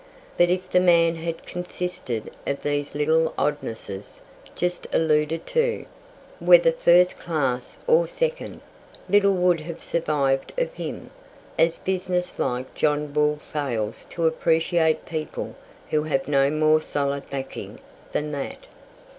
But if the man had consisted of these little oddnesses just alluded to, whether first class or second, little would have survived of him, as business like John Bull fails to appreciate people who have no more solid backing than that.